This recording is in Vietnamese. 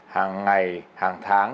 hàng ngày hàng tháng